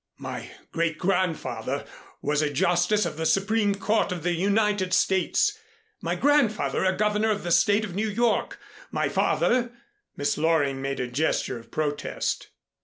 My great grandfather was a Justice of the Supreme Court of the United States, my grandfather a Governor of the State of New York, my father " Miss Loring made a gesture of protest.